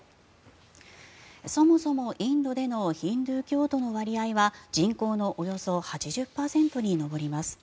そもそもインドでのヒンドゥー教徒の割合は人口のおよそ８０％に上ります。